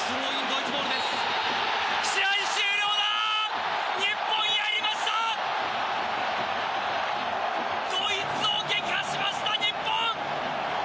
ドイツを撃破しました、日本！